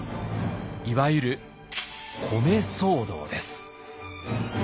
いわゆる米騒動です。